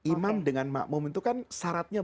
imam dengan makmum itu kan syaratnya